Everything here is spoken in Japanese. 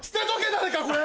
誰かこれ。